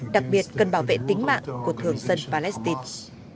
đặc biệt cần bảo vệ tính mạng của thường dân palestine